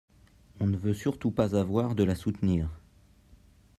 on ne veut surtout pas avoir de la soutenir.